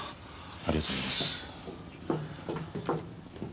ありがとうございます。